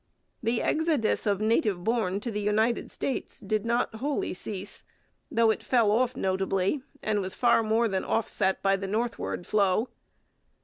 The exodus of native born to the United States did not wholly cease, though it fell off notably and was far more than offset by the northward flow.